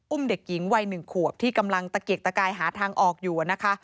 เด็กหญิงวัย๑ขวบที่กำลังตะเกียกตะกายหาทางออกอยู่นะคะ